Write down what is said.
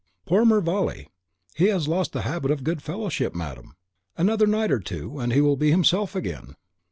"Poor Mervale! he has lost the habit of good fellowship, madam. Another night or two, and he will be himself again!"